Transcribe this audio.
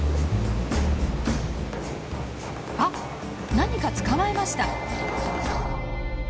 あっ何か捕まえました。